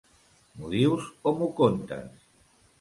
M'ho dius o m'ho contes?